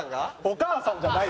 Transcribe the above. お母さんが？